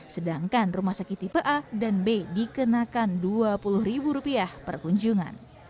sedangkan rumah sakit tipe a dan b dikenakan rp dua puluh per kunjungan